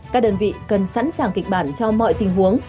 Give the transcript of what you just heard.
các đơn vị cần sẵn sàng kịch bản cho mọi tình huống